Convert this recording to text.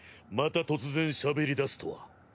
また突然しゃべり出すとは。